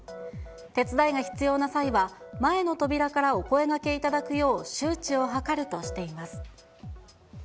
手伝いが必要な際は、前の扉からお声がけいただくよう、周知を図るとしています。